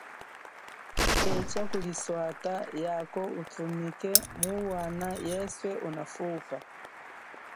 Echa kuliswata, yako uthumike muwana yeswe unafupa.